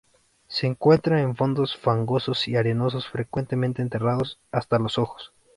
Se encuentra en fondos fangosos y arenosos, frecuentemente enterrado hasta los ojos.